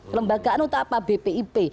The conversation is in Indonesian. kelembagaan untuk apa bpip